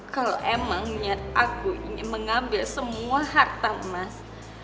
kalo emang niat aku ini mengambil semua harta mas